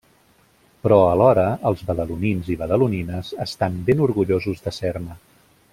Però, alhora, els badalonins i badalonines estan ben orgullosos de ser-ne.